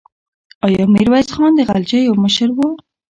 آیا میرویس خان د غلجیو مشر و؟